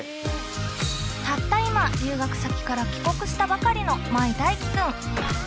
たった今留学先から帰国したばかりの舞大樹くん。